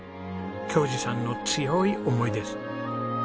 恭嗣さんの強い思いです。